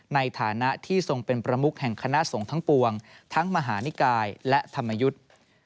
ในฐานะที่ทรงเป็นประมุกแห่งคณะสงฆ์ทั้งปวงทั้งมหานิกายและธรรมยุทธ์